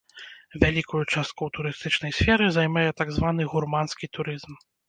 Вялікую частку ў турыстычнай сферы займае так званы гурманскі турызм.